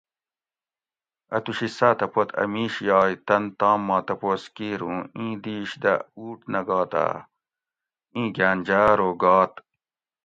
اتوشی ساۤتہ پت اۤ میش یائے تن تام ما تپوس کیر اوں ایں دیش دہ اُوٹ نہ گاتاۤ؟ اِیں گھاۤن جاۤ ارو گات